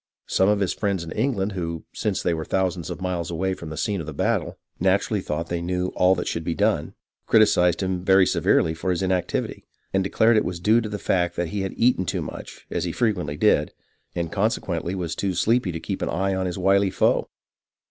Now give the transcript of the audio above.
Some of his friends in England, who, since they were thousands of miles away from the scene of battle, naturally thought they knew all that should be done, criticised him very severely for his inactivity, and declared Il6 HISTORY OF THE AMERICAN REVOLUTION it was clue to the fact that he had eaten too much, as he frequently did, and consequently was too sleepy to keep an open eye on his wily foe.